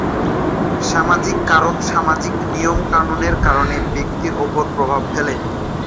সামাজিক কারণ: সামাজিক নিয়ম-কানুনের কারণে ব্যক্তির উপর প্রভাব ফেলে।